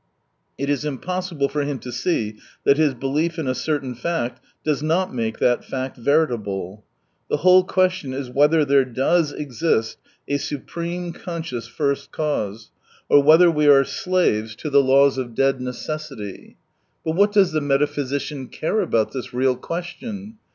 It is impossible for him to see that his belief in a certain fact does not make that fact veritable. The whole question is whether there does exist a supreme, conscious First Cause, or whether we are slaves to the laws 221 of dead necessity. But what does the metaphysician care about this real question